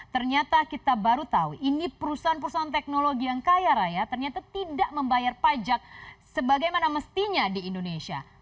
ternyata kita baru tahu ini perusahaan perusahaan teknologi yang kaya raya ternyata tidak membayar pajak sebagaimana mestinya di indonesia